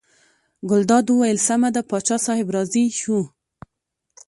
ګلداد وویل سمه ده پاچا صاحب راضي شو.